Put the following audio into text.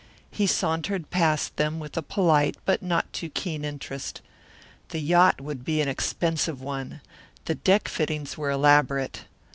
He sauntered past them with a polite but not too keen interest. The yacht would be an expensive one. The deck fittings were elaborate.